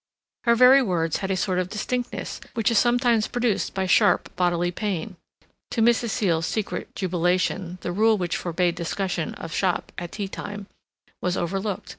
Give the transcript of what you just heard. Her very words had a sort of distinctness which is sometimes produced by sharp, bodily pain. To Mrs. Seal's secret jubilation the rule which forbade discussion of shop at tea time was overlooked.